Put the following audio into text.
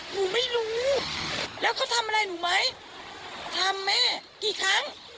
หนูไม่รู้แล้วเขาทำอะไรหนูไหมทำแม่กี่ครั้ง